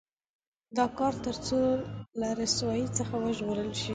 دا کار تر څو له رسوایۍ څخه وژغورل شي.